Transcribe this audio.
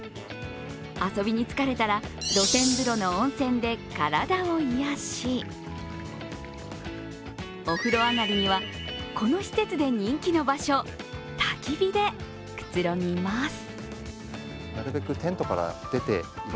遊びに疲れたら、露天風呂の温泉で体を癒やし、お風呂上がりには、この施設で人気の場所、たき火でくつろぎます。